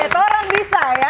toran bisa ya